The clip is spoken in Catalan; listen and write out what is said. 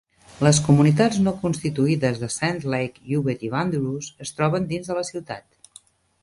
Les comunitats no constituïdes de Sand Lake, Ubet i Wanderoos es troben dins de la ciutat.